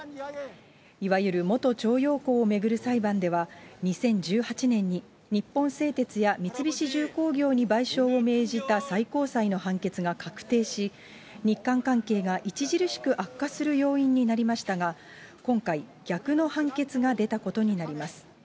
いわゆる元徴用工を巡る裁判では、２０１８年に、日本製鉄や三菱重工業に賠償を命じた最高裁の判決が確定し、日韓関係が著しく悪化する要因になりましたが、今回、逆の判決が出たことになります。